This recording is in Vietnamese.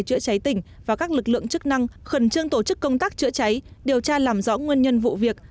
chữa cháy tỉnh và các lực lượng chức năng khẩn trương tổ chức công tác chữa cháy điều tra làm rõ nguyên nhân vụ việc